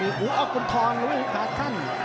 อักคุณธรรม